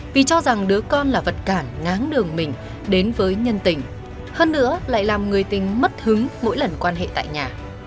vì cho rằng đứa con là vật cản náng đường mình đến với nhân tình hơn nữa lại làm người tình mất hứng mỗi lần quan hệ tại nhà